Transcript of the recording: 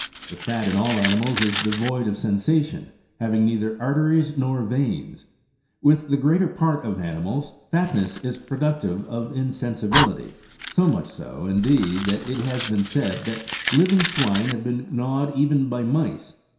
The fat in all animals is devoid of sensation, having neither arteries nor veins. "With the greater part of animals, fatness is productive of insensibility ; so much so, indeed, that it has been said, that living swine have been gnawed even by mice.